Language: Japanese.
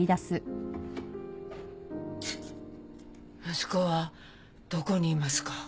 息子はどこにいますか？